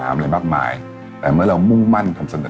ส่วนความเพียงเราก็ถูกพูดอยู่ตลอดเวลาในเรื่องของความพอเพียง